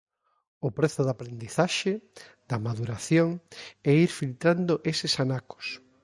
O prezo da aprendizaxe, da maduración, é ir filtrando eses anacos.